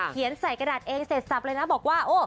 ใส่กระดาษเองเสร็จสับเลยนะบอกว่า